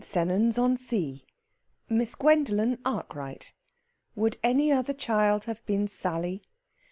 SENNANS ON SEA. MISS GWENDOLEN ARKWRIGHT. WOULD ANY OTHER CHILD HAVE BEEN SALLY?